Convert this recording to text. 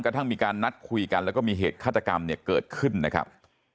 ทั้งมีการนัดคุยกันแล้วก็มีเหตุฆาตกรรมเนี่ยเกิดขึ้นนะครับ